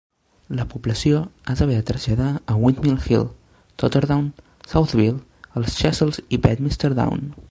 La població es va haver de traslladar a Windmill Hill, Totterdown, Southville, els Chessels i Bedminster Down.